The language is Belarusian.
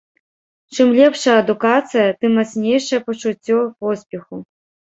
Чым лепшая адукацыя, тым мацнейшае пачуццё поспеху.